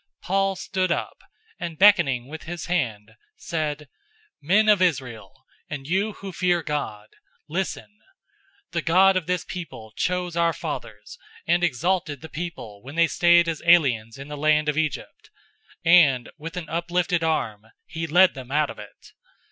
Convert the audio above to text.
013:016 Paul stood up, and beckoning with his hand said, "Men of Israel, and you who fear God, listen. 013:017 The God of this people{TR, NU add "Israel"} chose our fathers, and exalted the people when they stayed as aliens in the land of Egypt, and with an uplifted arm, he led them out of it.